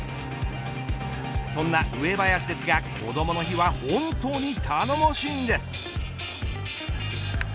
そんな上林ですがこどもの日は本当に頼もしいんです。